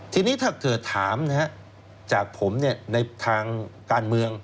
ทีนี้ถ้าเธอถามนะฮะจากผมเนี้ยในทางการเมือง